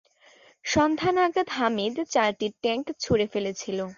সন্ধ্যা নাগাদ হামিদ চারটি ট্যাঙ্ক ছুঁড়ে ফেলেছিল।